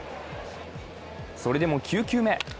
それでも９球目。